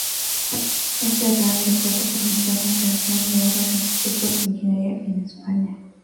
Este real decreto permitió la creación de otros institutos de Ingeniería en España.